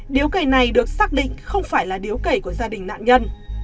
điếu cầy này được xác định không phải là điếu cầy của gia đình nạn nhân